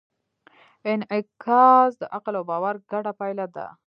انعکاس د عقل او باور ګډه پایله ده.